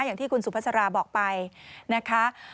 อย่างที่คุณสุภาษาราบอกไปนะคะ